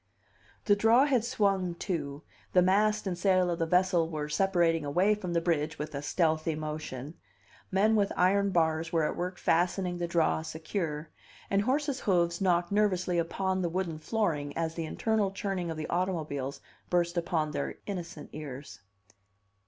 The draw had swung to, the mast and sail of the vessel were separating away from the bridge with a stealthy motion, men with iron bars were at work fastening the draw secure, and horses' hoofs knocked nervously upon the wooden flooring as the internal churning of the automobiles burst upon their innocent ears.